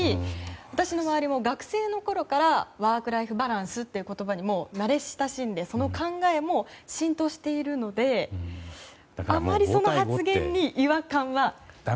私の周りも、学生のころからワークライフバランスっていう言葉にもう慣れ親しんでその考えも浸透しているのであまりその発言に違和感はないですね。